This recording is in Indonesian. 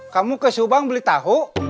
kamu ke subang beli tahu